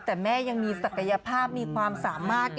แต่แม่ยังมีศักยภาพมีความสามารถ